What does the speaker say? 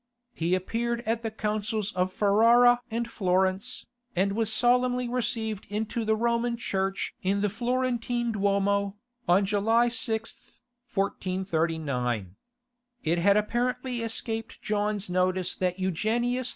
He appeared at the Councils of Ferrara and Florence, and was solemnly received into the Roman Church in the Florentine Duomo, on July 6, 1439. It had apparently escaped John's notice that Eugenius IV.